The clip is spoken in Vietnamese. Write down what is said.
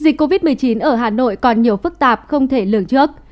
dịch covid một mươi chín ở hà nội còn nhiều phức tạp không thể lường trước